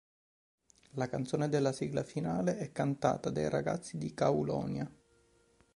La canzone della sigla finale è cantata dai ragazzi di Caulonia.